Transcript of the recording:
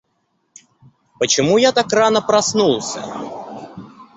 Почему я так рано проснулся?